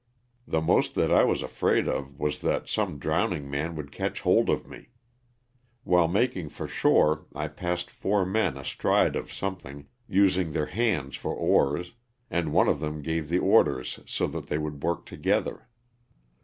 The most that I was afraid of was that some drown ing man would catch hold of me. While making for shore I passed four men astride of something, using their hands for oars, and one of them gave the orders so that they would work together.